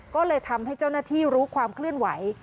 ก็เลยทำให้เจ้าหน้าที่รู้ความเคลื่อนไหว